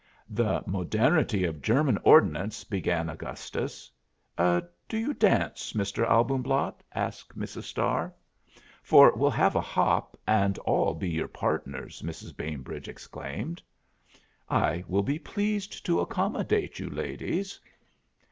"The modernity of German ordnance " began Augustus. "Do you dance, Mr. Albumblatt?" asked Mrs. Starr. "For we'll have a hop and all be your partners," Mrs. Bainbridge exclaimed. "I will be pleased to accommodate you, ladies."